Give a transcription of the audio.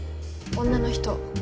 女の人。